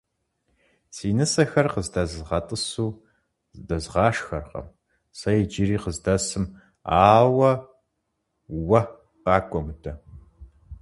Си нысэхэр къыздэзгъэтӏысу здэзгъашхэркъым сэ иджыри къыздэсым, ауэ уэ къакӏуэ мыдэ.